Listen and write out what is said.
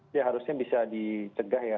ya harusnya bisa dicegah ya